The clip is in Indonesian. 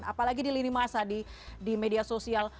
apalagi di lini masa di media sosial